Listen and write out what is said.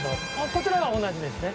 こちらは同じですね。